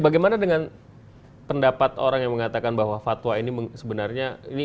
bagaimana dengan pendapat orang yang mengatakan bahwa fatwa ini sebenarnya